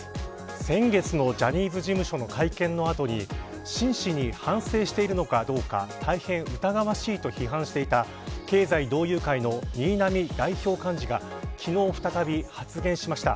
先月のジャニーズ事務所の会見の後に真摯に反省しているのかどうか大変疑わしいと批判していた経済同友会の新浪代表幹事が昨日再び発言しました。